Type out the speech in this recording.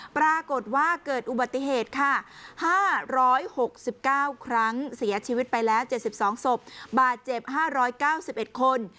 ปรากฏว่าเกิดอุบัติเหตุค่ะ๕๖๙ครั้งเสียชีวิตไปแล้ว๗๒ศพบาดเจ็บ๕๙๑คน